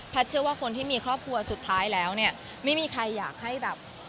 เชื่อว่าคนที่มีครอบครัวสุดท้ายแล้วเนี่ยไม่มีใครอยากให้แบบ